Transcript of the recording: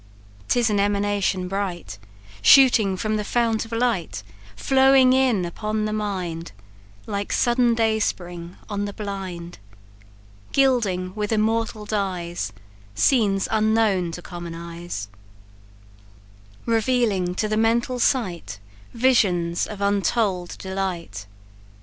'Tis an emanation bright, Shooting from the fount of light; Flowing in upon the mind, Like sudden dayspring on the blind; Gilding with immortal dyes Scenes unknown to common eyes; Revealing to the mental sight Visions of untold delight.